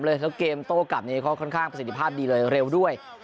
แล้วเกมโต้กลับค่อนข้างค่อสินิภาพดีเร็วด้วย